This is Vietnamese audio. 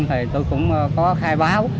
thì tôi cũng có khai báo